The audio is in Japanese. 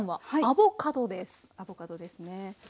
アボカドですね。